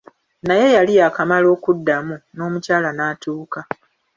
Naye yali yaakamala okuddamu, n'omukyala n'atuuka.